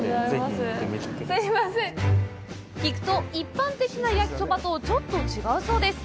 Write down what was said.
聞くと、一般的な焼きそばとちょっと違うそうです。